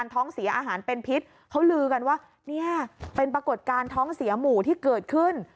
ท้องเสียอาหารเป็นพิษเขาลือกันว่าเนี่ยเป็นปรากฏการณ์ท้องเสียหมู่ที่เกิดขึ้น